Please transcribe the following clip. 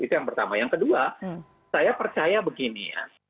itu yang pertama yang kedua saya percaya begini ya